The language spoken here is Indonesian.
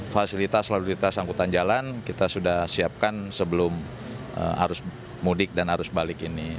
fasilitas lalu lintas angkutan jalan kita sudah siapkan sebelum arus mudik dan arus balik ini